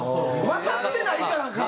わかってないからか。